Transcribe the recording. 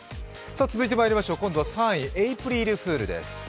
続いてまいりましょう、今度は３位、エープリルフールです。